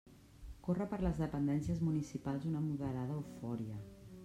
Corre per les dependències municipals una moderada eufòria.